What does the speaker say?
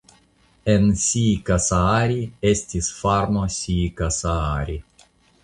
En Siikasaari estis farmo Siikasaari.